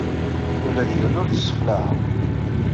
Ula d yiwen ur t-ssexlaɛeɣ.